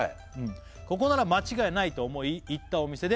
「ここなら間違いないと思い行ったお店で」